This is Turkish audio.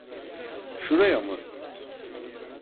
Şuraya mı?